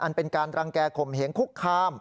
เป็นการรังแก่ข่มเหงคุกคาม